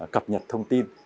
cập nhật thông tin